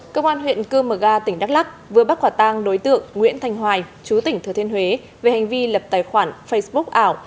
công an huyện cơ mờ ga tỉnh đắk lắc vừa bắt quả tang đối tượng nguyễn thành hoài chú tỉnh thừa thiên huế về hành vi lập tài khoản facebook ảo